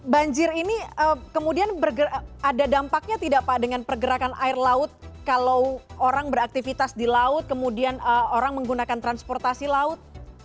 banjir ini kemudian ada dampaknya tidak pak dengan pergerakan air laut kalau orang beraktivitas di laut kemudian orang menggunakan transportasi laut